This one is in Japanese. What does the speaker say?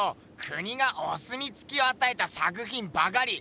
国がおすみつきをあたえた作品ばかり。